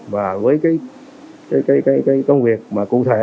và với công việc cụ thể